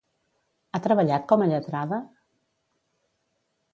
Ha treballat com a lletrada?